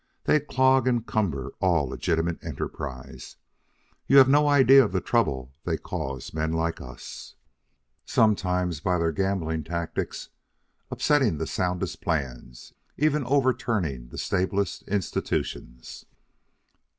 They clog and cumber all legitimate enterprise. You have no idea of the trouble they cause men like us sometimes, by their gambling tactics, upsetting the soundest plans, even overturning the stablest institutions."